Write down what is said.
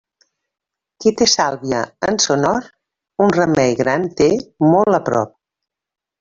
Qui té sàlvia en son hort, un remei gran té molt prop.